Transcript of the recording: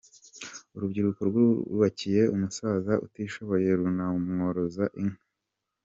Urubyiruko rwubakiye umusaza utishoboye runamworoza inka